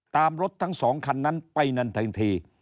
รถทั้งสองคันนั้นไปนั่นทันที